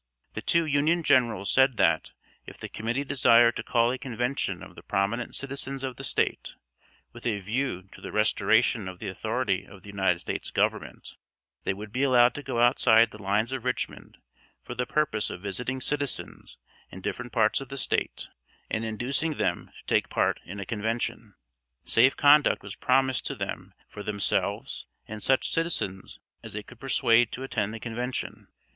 The two Union generals said that if the committee desired to call a convention of the prominent citizens of the State, with a view to the restoration of the authority of the United States Government, they would be allowed to go outside the lines of Richmond for the purpose of visiting citizens in different parts of the State and inducing them to take part in a convention. Safe conduct was promised to them for themselves and such citizens as they could persuade to attend the convention.